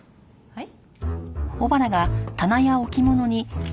はい？